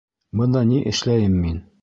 Бында ни эшләйем мин?